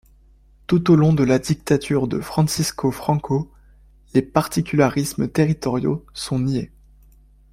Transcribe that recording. Tout au long de la dictature de Francisco Franco, les particularismes territoriaux sont niés.